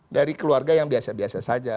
dari keluarga yang biasa biasa saja